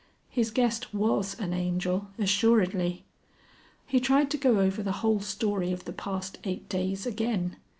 His guest was an Angel assuredly. He tried to go over the whole story of the past eight days again.